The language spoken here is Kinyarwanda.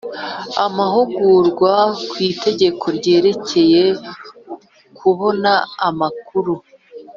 Amahugurwa ku Itegeko ryerekeye kubona amakuru